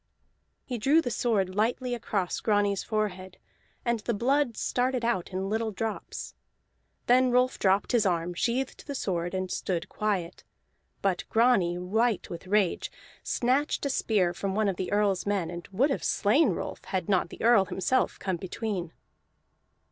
He drew the sword lightly across Grani's forehead, and the blood started out in little drops. Then Rolf dropped his arm, sheathed his sword, and stood quiet; but Grani, white with rage, snatched a spear from one of the Earl's men, and would have slain Rolf had not the Earl himself come between.